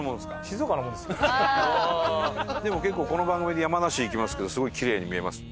でも結構この番組で山梨行きますけどすごいキレイに見えます。